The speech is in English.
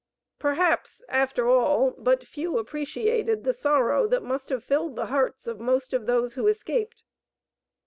Perhaps, after all, but few appreciated the sorrow that must have filled the hearts of most of those who escaped.